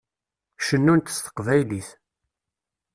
Cennunt s teqbaylit.